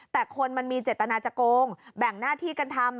แต่คนมันมีเจตนาจะโกงแบ่งหน้าที่กันทำ